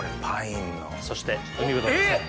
そして海ぶどうですね。